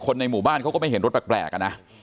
ในหมู่บ้านเขาก็ไม่เห็นรถแปลกนะ